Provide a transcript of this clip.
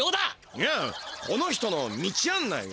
いやこの人の道あんないを。